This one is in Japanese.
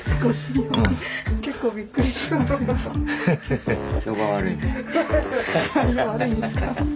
結構びっくりしますよ。